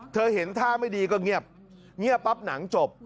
เห็นท่าไม่ดีก็เงียบเงียบปั๊บหนังจบ